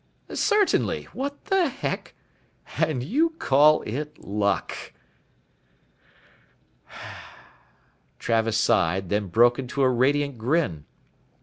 "Certainly. What the heck " "And you call it luck." Travis sighed, then broke into a radiant grin.